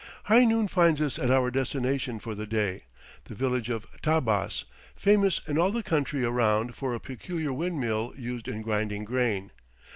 High noon finds us at our destination for the day, the village of Tabbas, famous in all the country around for a peculiar windmill used in grinding grain.